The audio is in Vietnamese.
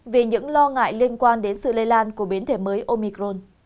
vì những lo ngại liên quan đến sự lây lan của biến thể mới omicron